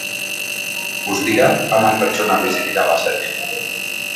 Guztira, hamar pertsona bizi dira baserrian.